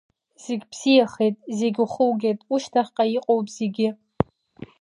Зегь бзиахеит, зегьы ухугеит, ушьҭахьҟа иҟоуп зегьы!